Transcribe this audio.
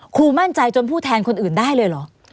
มั่นใจจนพูดแทนคนอื่นได้เลยเหรอ